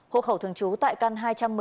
hộ khẩu thường trú tại căn hai trăm một mươi sáu